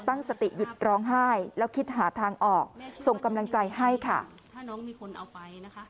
ตั้งสติหยุดร้องไห้แล้วคิดหาทางออกส่งกำลังใจให้ค่ะ